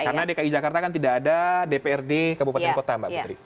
karena dki jakarta kan tidak ada dprd kabupaten kota mbak putri